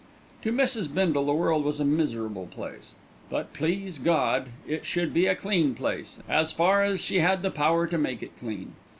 To Mrs. Bindle the world was a miserable place; but, please God! it should be a clean place, as far as she had the power to make it clean.